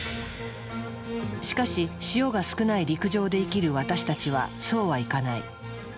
しかし塩が少ない陸上で生きる私たちはそうはいかない。